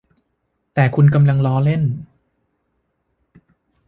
แต่คุณกำลังล้อเล่น